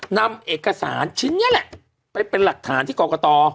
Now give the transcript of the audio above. นำเอกสารชิ้นนี้แหละไปเป็นหลักฐานที่กรกต